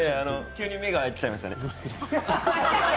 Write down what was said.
急に目が合っちゃいましたね。